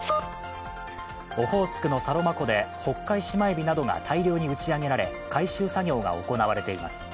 オホーツクのサロマ湖でホッカイシマエビなどが大量に打ち上げられ、回収作業が行われています。